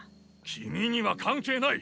君には関係ない。